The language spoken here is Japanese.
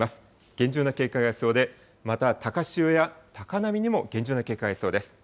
厳重な警戒が必要で、また高潮や高波にも厳重な警戒が必要です。